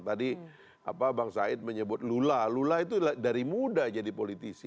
tadi bang said menyebut lula lula itu dari muda jadi politisi